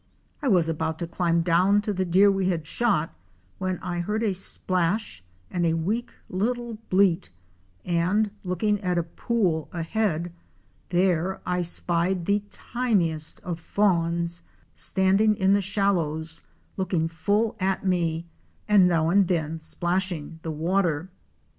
I was about to climb down to the deer we had shot when I heard a splash and a weak little bleat, and, looking at a pool ahead, there I spied the tiniest of fawns standing in the shallows, looking full at me, and now then splashing the water.